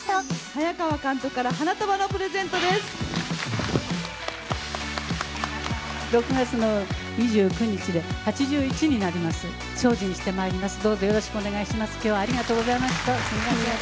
早川監督から花束のプレゼントです。